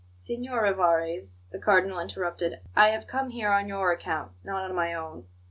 "Signor Rivarez," the Cardinal interrupted, "I have come here on your account not on my own.